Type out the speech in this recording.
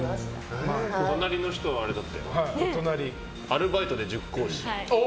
隣の人はアルバイトで塾講師。